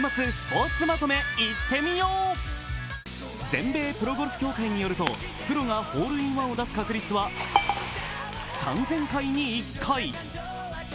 全米プロゴルフ協会によると、プロがホールインワンを出す確率は３０００回に１回。